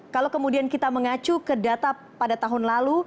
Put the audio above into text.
kalau kemudian kita mengacu ke data pada tahun lalu